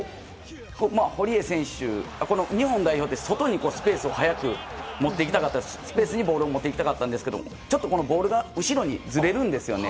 日本代表って外にスペースを作って、ボールを持っていきたかったんですけどちょっと後ろにボールがずれるんですよね。